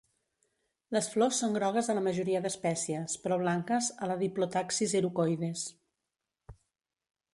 Les flors són grogues a la majoria d'espècies, però blanques a la "Diplotaxis erucoides".